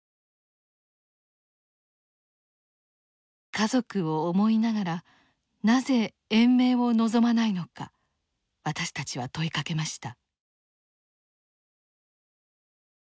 家族を思いながらなぜ延命を望まないのか私たちは問いかけました。